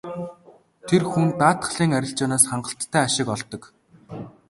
Тэр хүн даатгалын арилжаанаас хангалттай ашиг олдог.